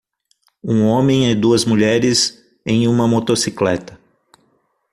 Um homem e duas mulheres em uma motocicleta.